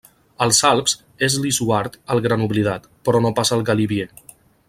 Als Alps és l'Izoard el gran oblidat, però no pas el Galibier.